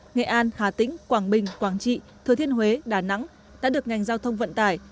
nghệ an hà tĩnh quảng bình quảng trị thừa thiên huế đà nẵng đã được ngành giao thông vận tải